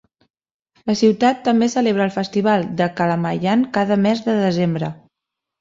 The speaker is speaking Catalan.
La ciutat també celebra el festival de Kalamayan cada mes de desembre.